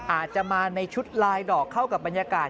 อาจจะมาในชุดลายดอกเข้ากับบรรยากาศ